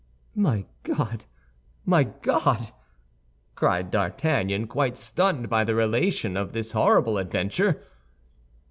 "My God, my God!" cried D'Artagnan, quite stunned by the relation of this horrible adventure.